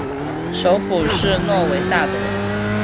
首府是诺维萨德。